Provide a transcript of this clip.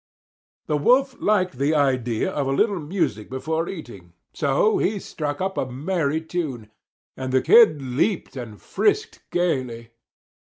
The Wolf liked the idea of a little music before eating, so he struck up a merry tune and the Kid leaped and frisked gaily.